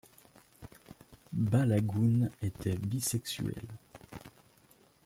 Balagoon était bisexuel.